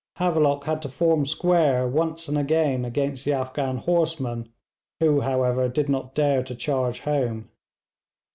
Havelock had to form square once and again against the Afghan horsemen, who, however, did not dare to charge home.